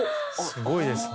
すごいですね。